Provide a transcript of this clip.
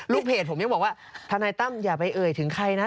เพจผมยังบอกว่าทนายตั้มอย่าไปเอ่ยถึงใครนะ